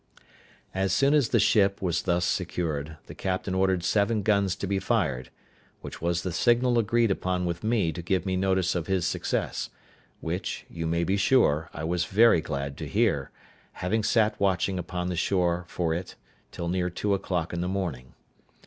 As soon as the ship was thus secured, the captain ordered seven guns to be fired, which was the signal agreed upon with me to give me notice of his success, which, you may be sure, I was very glad to hear, having sat watching upon the shore for it till near two o'clock in the morning.